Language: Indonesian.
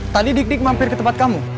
tadi dik dik mampir ke tempat kamu